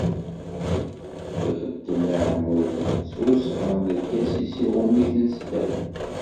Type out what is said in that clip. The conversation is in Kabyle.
Ixdem iɛmuden s usɣar n lkasis, iɣumm-iten s ddheb.